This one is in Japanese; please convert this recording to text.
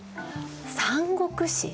「三国志」？